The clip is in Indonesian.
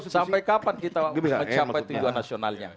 sampai kapan kita mencapai tujuan nasionalnya